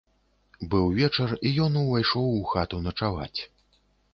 Быў вечар, і ён увайшоў у хату начаваць.